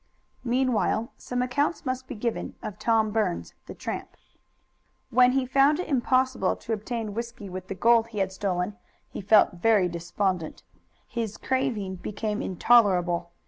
Meanwhile some account must be given of Tom Burns, the tramp. When he found it impossible to obtain whisky with the gold he had stolen he felt very despondent. His craving became intolerable.